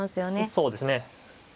そうですね。